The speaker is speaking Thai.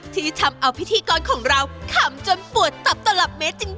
ที่ทำเอาพิธีกรของเราขำจนปวดตับตลับเมตรจริง